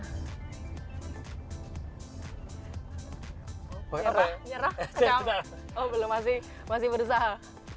oh belum masih berusaha